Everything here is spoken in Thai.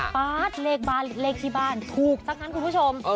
ปา๊ดเลขที่บ้านถูกข้างนั้นคุณผู้ชม